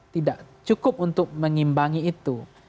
tidak cukup untuk mengimbangi itu